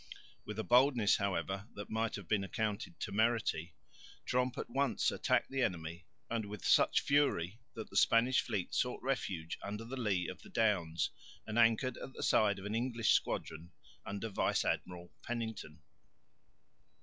With a boldness, however, that might have been accounted temerity, Tromp at once attacked the enemy and with such fury that the Spanish fleet sought refuge under the lee of the Downs and anchored at the side of an English squadron under Vice Admiral Pennington.